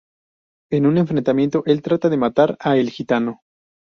En un enfrentamiento, el trata de matar a El Gitano.